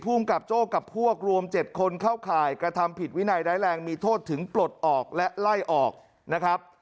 ภูมิกับโจ้กับพวกรวม๗คนเข้าข่ายกระทำผิดวินัยร้ายแรงมีโทษถึงปลดออกและไล่ออกนะครับ